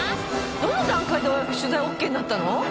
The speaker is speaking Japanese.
どの段階で取材ＯＫになったの？